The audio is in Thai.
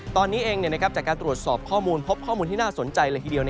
ตอนนี้เองจากการตรวจสอบข้อมูลพบข้อมูลที่น่าสนใจเลยทีเดียว